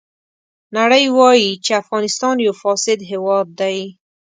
نړۍ وایي چې افغانستان یو فاسد هېواد دی.